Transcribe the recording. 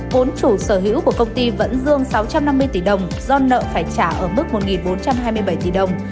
vốn chủ sở hữu của công ty vẫn dương sáu trăm năm mươi tỷ đồng do nợ phải trả ở mức một bốn trăm hai mươi bảy tỷ đồng